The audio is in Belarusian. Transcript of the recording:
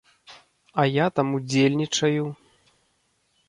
А я там удзельнічаю.